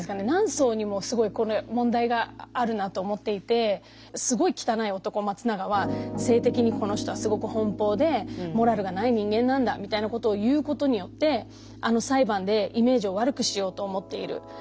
何層にもすごいこれ問題があるなと思っていてすごい汚い男松永は性的にこの人はすごく奔放でモラルがない人間なんだみたいなことを言うことによってあの裁判でイメージを悪くしようと思っている。